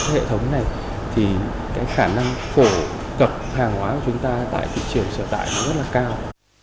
hệ thống này thì cái khả năng phổ cập hàng hóa của chúng ta tại thị trường sở tại nó rất là cao